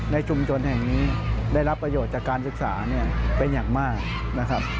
ในชุมชนแห่งนี้ได้รับประโยชน์จากการศึกษาเนี่ยเป็นอย่างมากนะครับ